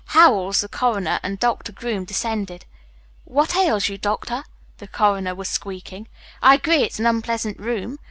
Howells, the coroner, and Doctor Groom descended. "What ails you, Doctor?" the coroner was squeaking. "I agree it's an unpleasant room.